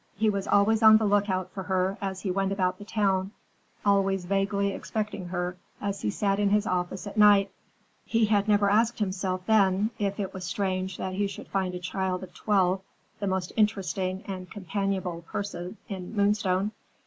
He was always on the lookout for her as he went about the town, always vaguely expecting her as he sat in his office at night. He had never asked himself then if it was strange that he should find a child of twelve the most interesting and companionable person in Moonstone.